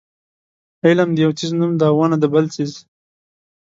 علم د یو څیز نوم دی او ونه د بل څیز.